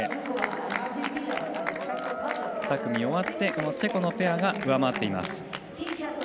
２組終わってチェコのペアが上回っています。